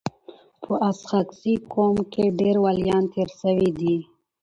په اسحق زي قوم کي ډير وليان تیر سوي دي.